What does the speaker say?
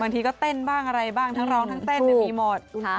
ทีก็เต้นบ้างอะไรบ้างทั้งร้องทั้งเต้นมีหมด